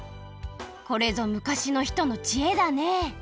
これぞ昔の人のちえだね